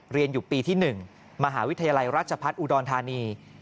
เรียนอยู่ปีที่๑มหาวิทยาลัยราชพัฒน์อุดรธานี